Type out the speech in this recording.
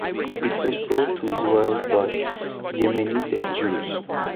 It was brought to Israel by Yemenite Jews.